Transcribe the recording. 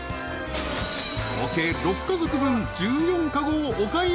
［合計６家族分１４籠をお買い上げ］